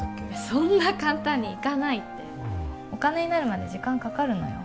そんな簡単にいかないってお金になるまで時間かかるのよ